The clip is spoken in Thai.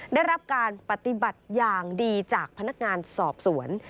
ได้รับการปฏิบัติอย่างดีจากพนักงานสอบสวน